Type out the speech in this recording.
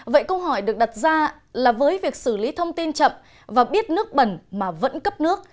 vậy câu hỏi được đặt ra là với việc xử lý thông tin chậm và biết nước bẩn mà vẫn cấp nước